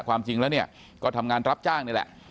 ความจริงแล้วเนี่ยก็ทำงานรับจ้างนี่แหละ